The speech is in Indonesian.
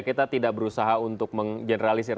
kita tidak berusaha untuk mengeneralisir